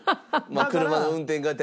車の運転がてら。